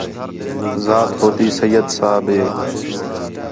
ذات ہوتی سید صاحب ہے